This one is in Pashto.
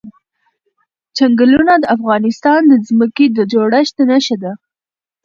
چنګلونه د افغانستان د ځمکې د جوړښت نښه ده.